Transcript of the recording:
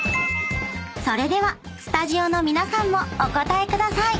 ［それではスタジオの皆さんもお答えください］